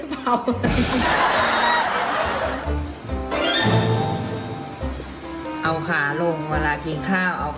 สบัดข่าวเด็ก